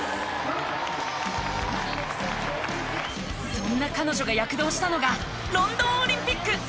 そんな彼女が躍動したのがロンドンオリンピック。